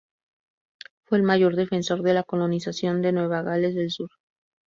Fue el mayor defensor de la colonización de Nueva Gales del Sur.